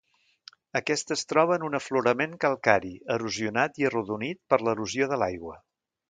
Aquesta es troba en un aflorament calcari, erosionat i arrodonit per l'erosió de l'aigua.